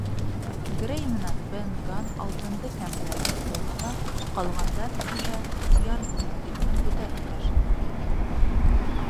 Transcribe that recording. Грей менән Бен Ганн алтынды кәмәнән шхунаға, ҡалғандар иһә яр буйына тиклем күтәреп ташыны.